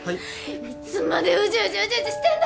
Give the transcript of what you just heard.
いつまでウジウジウジウジしてんだ！